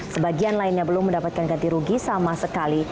sebagian lainnya belum mendapatkan ganti rugi sama sekali